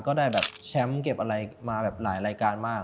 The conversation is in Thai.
ก็ได้แบบแชมป์เก็บอะไรมาแบบหลายรายการมาก